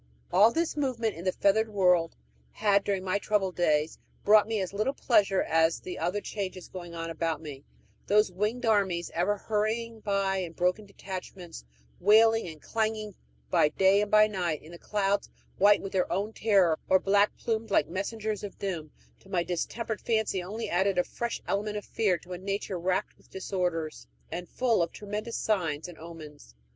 All this movement in the feathered world had, during my troubled days, brought me as little pleasure as the other changes going on about me: those winged armies ever hurrying by in broken detachments, wailing and clanging by day and by night in the clouds, white with their own terror, or black plumed like messengers of doom, to my distempered fancy only added a fresh element of fear to a nature racked with disorders, and full of tremendous signs and omens.